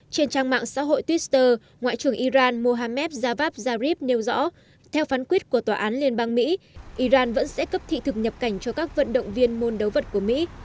trên trang mạng xã hội twitter ngoại trưởng iran mohammed javad zarif nêu rõ theo phán quyết của tòa án liên bang mỹ iran vẫn sẽ cấp thị thực nhập cảnh cho các vận động viên môn đấu vật của mỹ